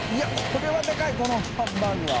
これはでかいこのハンバーグは。